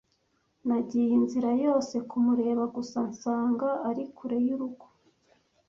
Nagiye inzira yose kumureba gusa nsanga ari kure y'urugo.